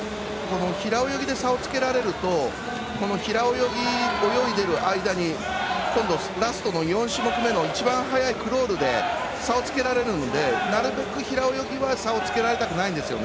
平泳ぎで差をつけられると平泳ぎを泳いでいる間に今度ラストの４種目めの一番速いクロールで差をつけられるのでなるべく平泳ぎは差をつけられたくないんですよね。